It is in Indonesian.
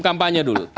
tim kampanye dulu